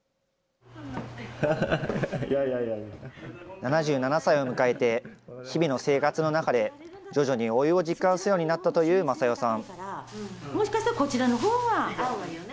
７７歳を迎えて、日々の生活の中で徐々に老いを実感するようになったという正代さん。